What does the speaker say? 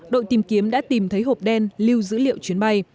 đội tìm kiếm đã tìm thấy hộp đen lưu dữ liệu chuyến bay